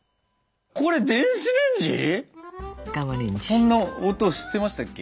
こんな音してましたっけ。